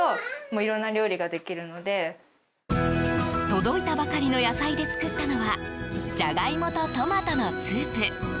届いたばかりの野菜で作ったのはジャガイモとトマトのスープ。